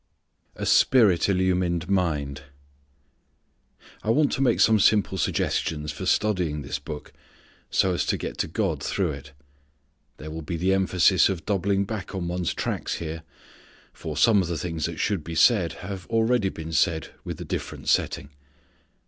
A Spirit Illumined Mind. I want to make some simple suggestions for studying this Book so as to get to God through it. There will be the emphasis of doubling back on one's tracks here. For some of the things that should be said have already been said with a different setting.